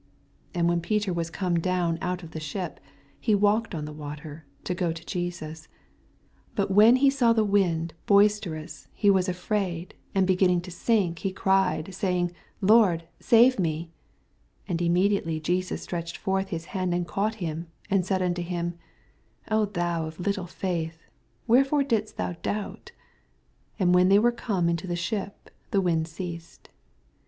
And when Peter was oome down out of the ship, he walked on the water, to go to JesuB. 80 But when he saw the windboifr* terous, he was afraid, and beginning to sink, he cried, saying, Lora, savo me. 81 And immediately Jesus stretched forth hU hand, and caught him, and said unto him, thou of little ftdth, wherefore didst thou doubt ? 82 And when they were oome into the ship, the wind ceased.